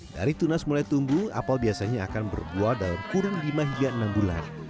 dari tunas mulai tumbuh apel biasanya akan berbuah dalam kurang lima hingga enam bulan